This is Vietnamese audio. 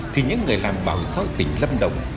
thì những người làm bảo sát tỉnh lâm đồng